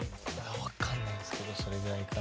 分かんないですけどそれぐらいかな。